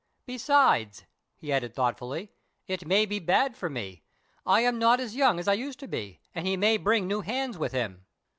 Besides," he added thoughtfully, "it may be bad for me; I am not as young as I used to be, and he may bring new hands with him."